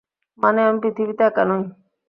মানে, আমি পৃথিবীতে একা নই।